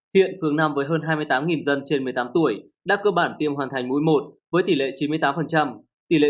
hiện phường năm với hơn hai mươi tám dân trên một mươi tám tuổi đã cơ bản tiêm hoàn thành mũi một với tỷ lệ chín mươi tám